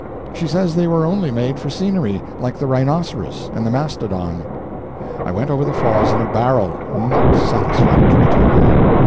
She says they were only made for scenery like the rhinoceros and the mastodon. I went over the Falls in a barrel not satisfactory to her.